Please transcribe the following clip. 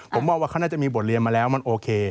ผมมองว่าเขาน่าจะมีบทเรียนมาแล้วมันโอเค